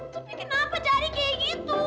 tapi kenapa jadi kaya gitu